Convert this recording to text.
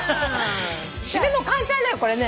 〆も簡単だよこれね。